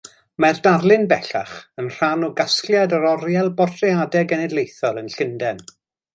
Mae'r darlun bellach yn rhan o gasgliad yr Oriel Bortreadau Genedlaethol yn Llundain.